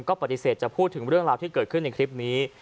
ก็ปฏิเสธจะพูดถึงเรื่องราวที่เกิดขึ้นในคลิปนี้